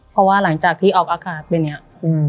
เพราะว่าหลังจากที่ออกอากาศเป็นอย่างนี้